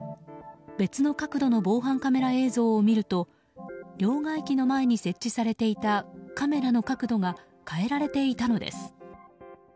別の角度の防犯カメラ映像を見ると両替機の前に設置されていたカメラの角度が変えられていたのです。